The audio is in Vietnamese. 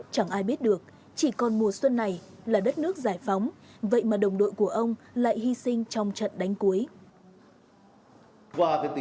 chẳng ai biết được chỉ còn mùa xuân này là đất nước giải phóng vậy mà đồng đội của ông lại hy sinh trong trận đánh cuối